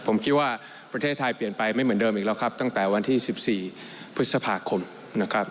ผมคิดว่าประเทศไทยเปลี่ยนไปไม่เหมือนเดิมอีกแล้วครับตั้งแต่วันที่๑๔พฤษภาคมนะครับ